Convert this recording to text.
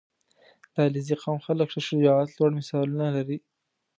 • د علیزي قوم خلک د شجاعت لوړ مثالونه لري.